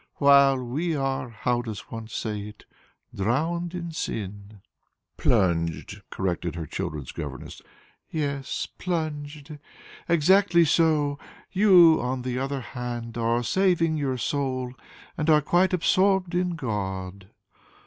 while we are how does one say it? drowned in sin." "Plunged," corrected her children's governess. "Yes, plunged. Exactly so! You, on the other, are saving your soul, and are quite absorbed in God."